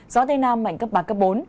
gió tây nam mạnh cấp ba cấp bốn